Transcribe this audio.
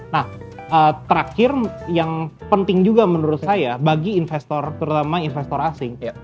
nah terakhir yang penting juga menurut saya bagi investor terutama investor asing